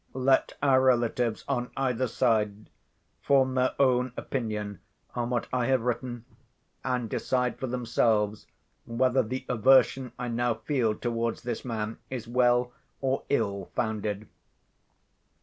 Let our relatives, on either side, form their own opinion on what I have written, and decide for themselves whether the aversion I now feel towards this man is well or ill founded.